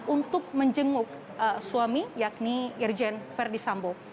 untuk menjenguk suami yakni irjen verdi sambo